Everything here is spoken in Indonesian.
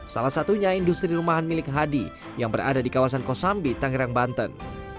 salah satunya industri rumahan milik hadi yang berada di kawasan kosambi tangerang banten